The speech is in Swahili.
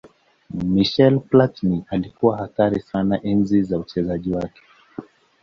michael platin alikuwa hatari sana enzi za uchezaji wake